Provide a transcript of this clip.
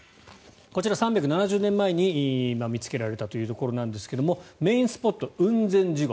こちら、３７０年前に見つけられたということなんですがメインスポット、雲仙地獄。